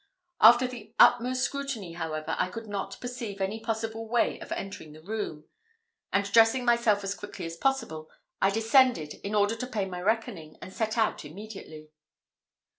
After the utmost scrutiny, however, I could not perceive any possible way of entering the room; and dressing myself as quickly as possible, I descended, in order to pay my reckoning, and set out immediately.